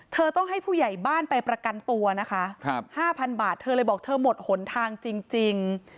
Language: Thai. เธอต้องให้ผู้ใหญ่บ้านไปประกันตัวนะคะ๕๐๐บาทเธอเลยบอกเธอหมดหนทางจริง